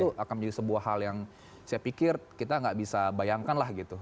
itu akan menjadi sebuah hal yang saya pikir kita nggak bisa bayangkan lah gitu